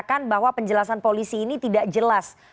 mengatakan bahwa penjelasan polisi ini tidak jelas